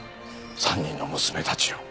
３人の娘たちを。